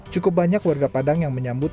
cukup banyak warga padang yang menyambut